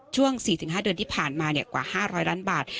ช่วงสี่ถึงห้าเดือนที่ผ่านมาเนี่ยกว่าห้าร้อยล้านบาท